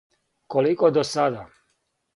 Колико до сада?